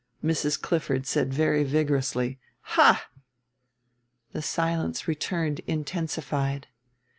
Mrs. Clifford said very vigorously, "Ha!" The silence returned intensified.